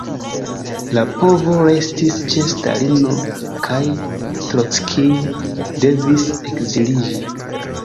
La povo restis ĉe Stalino, kaj Trockij devis ekziliĝi.